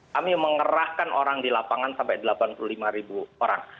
kami mengerahkan orang di lapangan sampai delapan puluh lima ribu orang